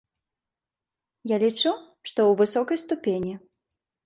Я лічу, што ў высокай ступені.